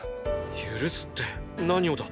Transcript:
許すって何をだ？